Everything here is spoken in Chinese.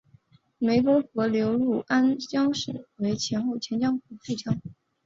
湄公河流入安江省后分前江与后江。